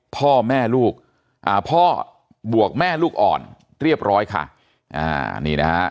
พ่อแม่ลูกอ่าพ่อบวกแม่ลูกอ่อนเรียบร้อยค่ะอ่านี่นะฮะ